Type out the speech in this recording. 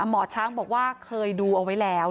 หมอช้างบอกว่าเคยดูเอาไว้แล้ว